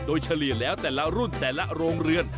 โดยเฉลี่ยแล้วแต่ละรุ่นแต่ละโรงเรือน